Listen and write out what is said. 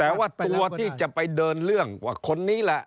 แต่ว่าตัวที่จะไปเดินเรื่องว่าคนนี้แหละ